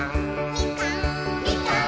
みかん！